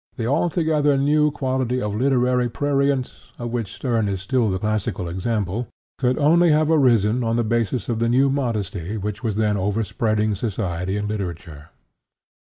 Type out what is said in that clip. The altogether new quality of literary prurience, of which Sterne is still the classical example, could only have arisen on the basis of the new modesty which was then overspreading society and literature.